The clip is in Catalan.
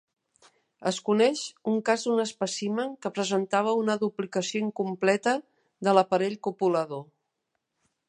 Es coneix un cas d'un espècimen que presentava una duplicació incompleta de l'aparell copulador.